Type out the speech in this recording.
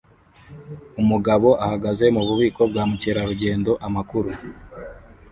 Umugabo ahagaze mububiko bwa Mukerarugendo-Amakuru